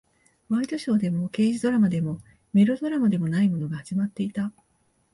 ワイドショーでも、刑事ドラマでも、メロドラマでもないものが始まっていた。